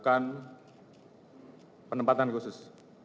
bukan penempatan khusus